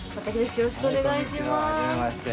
よろしくお願いします。